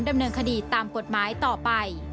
ดำเนินคดีตามกฎหมายต่อไป